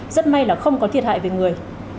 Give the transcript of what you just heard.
rất may là không có thiệt hại về người